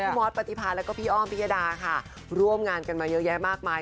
คุณมอสปฏิพันธ์และพี่อ้อมพี่ยดาค่ะร่วมงานกันมาเยอะแยะมากมาย